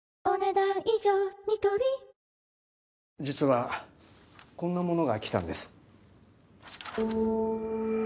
実はこんなものが来たんです。